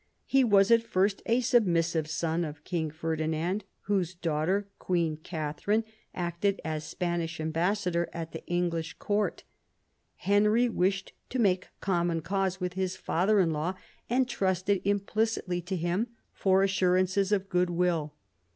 He was at first a submissive son of King Ferdinand, whose daughter, Queen Katharine, acted as Spanish ambassador at the English Court. Henry wished to make common cause with his father in law, and trusted implicitly to him for assurances of goodwill.